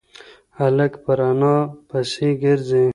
هلک پر انا پسې گرځي.